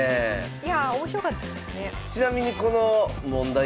いやあ面白かったですね。